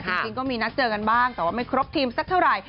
จริงก็มีนัดเจอกันบ้างแต่ว่าไม่ครบทีมสักเท่าไหร่